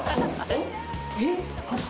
えっ？